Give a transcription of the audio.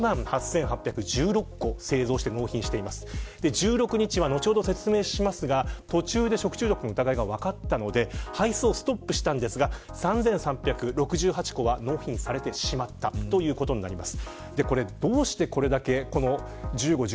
１６日は、途中で食中毒の疑いが分かったので配送をストップしたんですが３３６８個は納品されてしまったということになります。